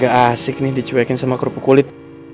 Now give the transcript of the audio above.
asik nih dicuekin sama kerupuk kulit